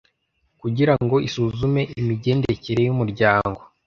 kugira ngo isuzume imigendekere yumuryango